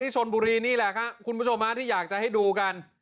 ชนบุรีนี่แหละครับคุณผู้ชมที่อยากจะให้ดูกัน